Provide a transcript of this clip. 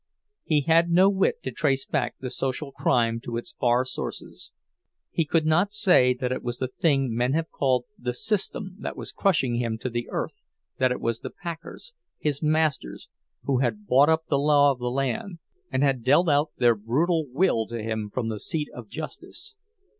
He had no wit to trace back the social crime to its far sources—he could not say that it was the thing men have called "the system" that was crushing him to the earth; that it was the packers, his masters, who had bought up the law of the land, and had dealt out their brutal will to him from the seat of justice.